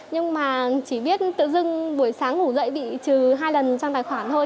nhưng mà chỉ biết tự dưng buổi sáng ngủ dậy bị trừ hai lần trong tài khoản thôi